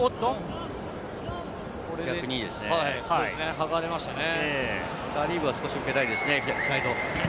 剥がれましたね。